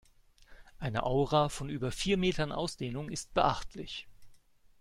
Eine Aura von über vier Metern Ausdehnung ist beachtlich.